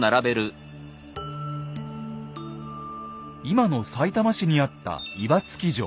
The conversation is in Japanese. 今のさいたま市にあった岩槻城。